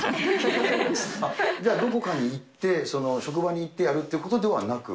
じゃあ、どこかに行って、職場に行ってやるってことではなく？